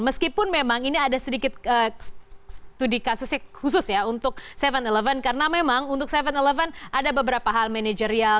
meskipun memang ini ada sedikit studi kasusnya khusus ya untuk tujuh sebelas karena memang untuk tujuh eleven ada beberapa hal manajerial